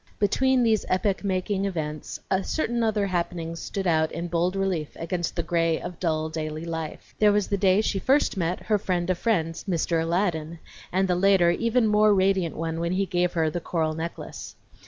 Between these epoch making events certain other happenings stood out in bold relief against the gray of dull daily life. There was the day she first met her friend of friends, "Mr. Aladdin," and the later, even more radiant one when he gave her the coral necklace.